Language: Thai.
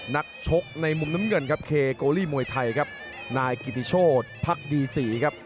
นักชกในมุมน้ำเงินโกรีมวยไทยนายกิติโชธพรรคดีสี่